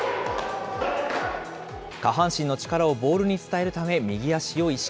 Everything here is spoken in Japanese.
下半身の力をボールに伝えるため右足を意識。